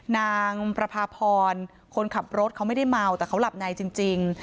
นางประพาพรคนขับรถเขาไม่ได้เมาแต่เขาหลับในจริง